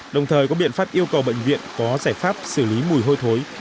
đồng thời có biện pháp yêu cầu bệnh viện có giải pháp xử lý mùi hôi thối